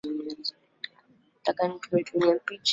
Zimekuwa ni agenda za kudumu zinazozungumzwa kwenye vikao vya uk